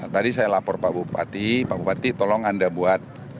tadi saya lapor pak bupati pak bupati tolong anda buat